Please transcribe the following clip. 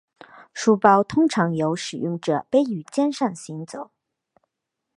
书包通常由使用者背于肩上行走。